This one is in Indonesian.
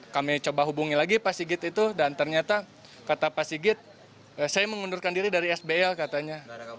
kami coba hubungi lagi pak sigit itu dan ternyata kata pak sigit saya mengundurkan diri dari sbl katanya